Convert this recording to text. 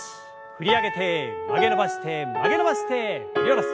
振り上げて曲げ伸ばして曲げ伸ばして振り下ろす。